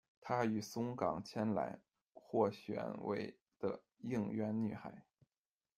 她与、松冈千菜获选为的应援女孩。